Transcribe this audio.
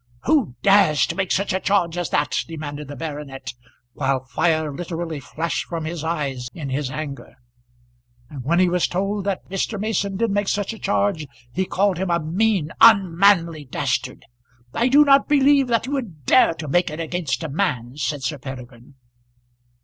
"Who dares to make such a charge as that?" demanded the baronet, while fire literally flashed from his eyes in his anger. And when he was told that Mr. Mason did make such a charge he called him "a mean, unmanly dastard." "I do not believe that he would dare to make it against a man," said Sir Peregrine.